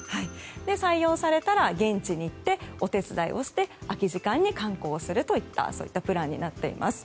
採用されたら、現地に行ってお手伝いをして空き時間に観光をするというプランになっています。